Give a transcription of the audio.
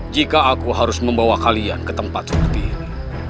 jika aku harus membawa kalian ke tempat seperti ini